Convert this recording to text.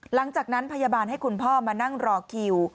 หลังจากนั้นพยาบาลให้คุณพ่อมานั่งรอคิว